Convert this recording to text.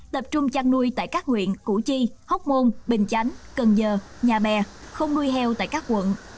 tập trung trăn nuôi tại các nguyện củ chi hốc môn bình chánh cân dơ nhà bè không nuôi heo tại các quận